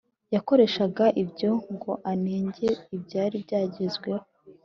yakoreshaga ibyo ngo anenge ibyari byagezweho